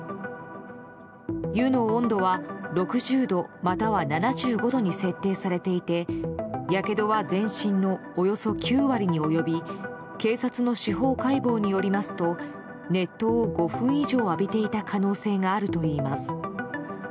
湯の温度は、６０度または７５度に設定されていてやけどは、全身のおよそ９割に及び警察の司法解剖によりますと熱湯を５分以上、浴びていた可能性があるといいます。